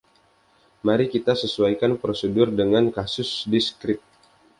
Mari kita sesuaikan prosedur dengan kasus diskrit.